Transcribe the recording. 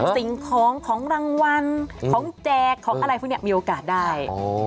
สิ่งของของรางวัลของแจกของอะไรพวกนี้มีโอกาสได้